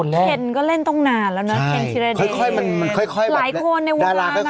นังทำรั้ว